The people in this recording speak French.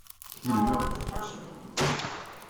Il meurt en fonctions.